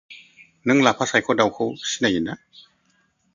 नों लाफा सायख' दाउखौ सिनायो ना?